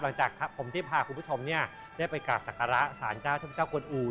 หลังจากผมที่พาคุณผู้ชมได้ไปกลับสักการะสารเจ้าท่านพระเจ้าควรอู